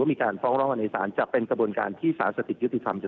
ไม่ใช่เป็นประเด็นของสำนักงานศาสตร์ทีมแห่งวัฒนบาลเนอะ